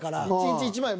１日１万円